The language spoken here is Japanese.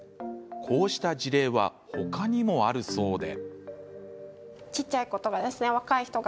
こうした事例は他にもあるそうで。